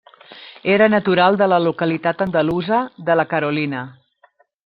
Era natural de la localitat andalusa de La Carolina.